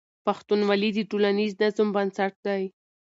پښتونولي د ټولنیز نظم بنسټ دی.